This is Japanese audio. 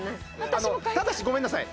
ただしごめんなさい。